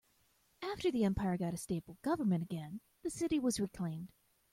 After the empire got a stable government again, the city was reclaimed.